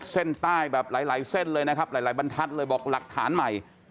เส้นใต้แบบหลายเส้นเลยนะครับหลายบรรทัศน์เลยบอกหลักฐานใหม่